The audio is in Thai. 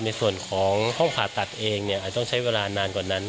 ในส่วนของห้องผ่าตัดเองอาจจะต้องใช้เวลานานกว่านั้น